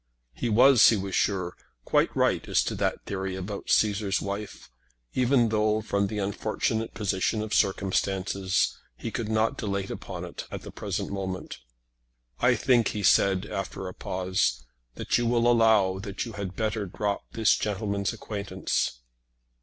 He was, he was sure, quite right as to that theory about Cæsar's wife, even though, from the unfortunate position of circumstances, he could not dilate upon it at the present moment. "I think," he said, after a pause, "that you will allow that you had better drop this gentleman's acquaintance."